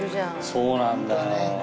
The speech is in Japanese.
そうなんだ。